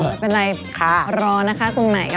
เป็นไรรอนะคะตรงไหนก็